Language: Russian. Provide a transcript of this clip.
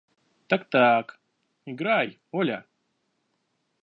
– Так, так. Играй, Оля!